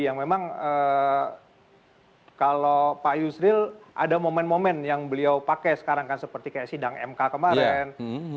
yang memang kalau pak yusril ada momen momen yang beliau pakai seperti sedang mk kemarin